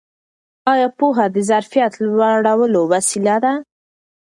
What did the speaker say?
ایا پوهه د ظرفیت لوړولو وسیله ده؟